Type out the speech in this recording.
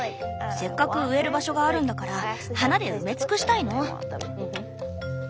せっかく植える場所があるんだから花で埋め尽くしたいの。